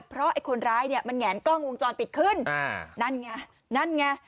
เพราะไอ้คนร้ายเนี่ยมันแงนกล้องวงจรปิดขึ้นอ่านั่นไงนั่นไง